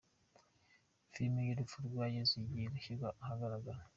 Filimi ku rupfu rwa yesu igiye gushyirwa ahagaragara